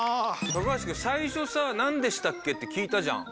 高橋くん最初さ「なんでしたっけ？」って聞いたじゃん。